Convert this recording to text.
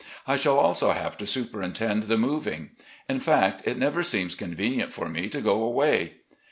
I shall also have to superintend the moving. In fact, it never seems convenient for me to go away.